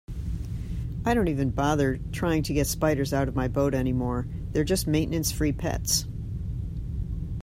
I don't even bother trying to get spiders out of my boat anymore, they're just maintenance-free pets.